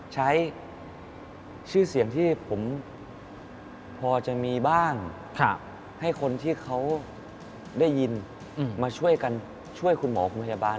ใช้ชื่อเสียงที่ผมพอจะมีบ้างให้คนที่เขาได้ยินมาช่วยกันช่วยคุณหมอคุณพยาบาล